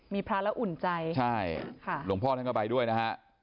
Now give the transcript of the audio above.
มีพระแล้วอุ่นใจใช่ค่ะหลวงพ่อท่านก็ไปด้วยนะฮะ